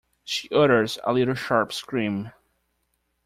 She utters a little sharp scream.